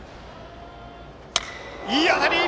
いい当たり！